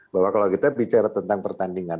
bahwa kalau kita bicara tentang pertandingan